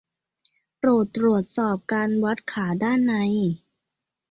โปรดตรวจสอบการวัดขาด้านใน